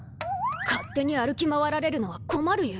勝手に歩き回られるのは困るゆえ。